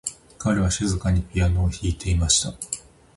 彼は静かにピアノを弾いていました。